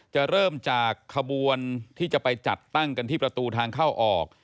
จะเริ่มจากขบวนที่จะไปจัดตั้งกันที่ประตูทางเข้าออก